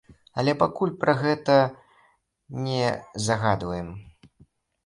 Але пакуль пра гэта не загадваем.